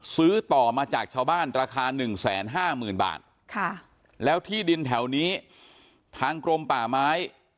ซื้อต่อมาจากชาวบ้านราคา๑๕๐๐๐บาทแล้วที่ดินแถวนี้ทางกรมป่าไม้